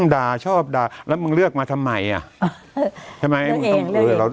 ด่าชอบด่าแล้วมึงเลือกมาทำไมอ่ะใช่ไหมเลือกเองเลือกเอง